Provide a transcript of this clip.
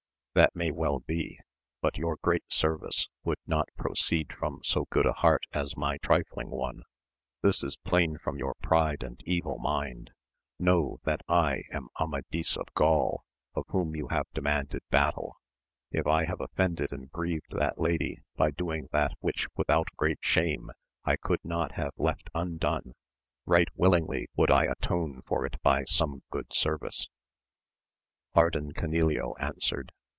— ^That may well be : but your great service would not pro ceed from so good a heart as my trifling one, this is plain from your pride and evil mind. Know that I am Amadis of Gaul of whom you have demanded battle. If I have offended and grieved that lady by doing that which without great (shame I could not have left undone, right willingly would I atone for it by some good service. Ardan Canileo answered.